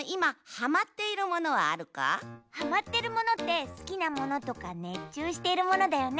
「ハマってるもの」ってすきなものとかねっちゅうしているものだよね。